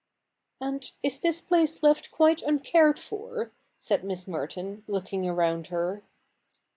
' And is this place left quite uncared for ?' said Miss Merton, looking around her.